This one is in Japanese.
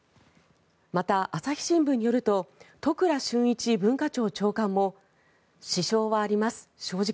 また、朝日新聞によると都倉俊一文化庁長官も支障はあります、正直。